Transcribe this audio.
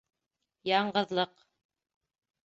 Яңғыҙлыҡ!